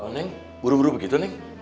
neng buru buru begitu neng